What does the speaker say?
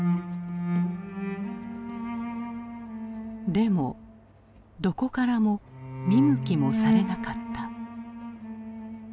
でもどこからも見向きもされなかった。